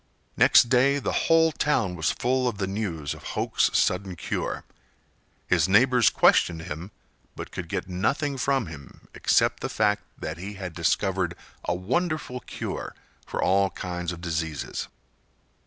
Next day the whole town was full of the news of Hok's sudden cure. His neighbors questioned him, but could get nothing from him, except the fact that he had discovered a wonderful cure for all kinds of diseases.